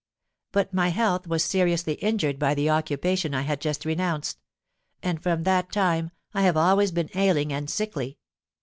But my health was seriously injured by the occupation I had just renounced; and from that time I have always been ailing and sickly.